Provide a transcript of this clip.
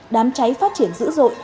đám cháy phát triển dữ dội